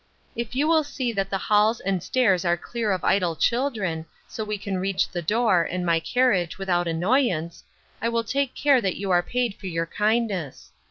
If you will see that the halls and stairs are clear of idle children, so we can reach the door, and my carriage, without annoyance, I will take care that you are paid for your kindness.